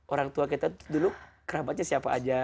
orang tua kita dulu kerabatnya siapa aja